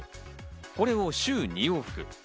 これを週２往復。